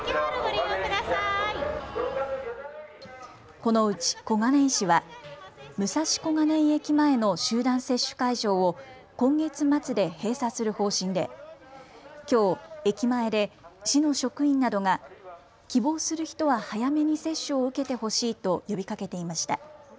このうち小金井市は武蔵小金井駅前の集団接種会場を今月末で閉鎖する方針できょう駅前で市の職員などが希望する人は早めに接種を受けてほしいと呼びかけていました。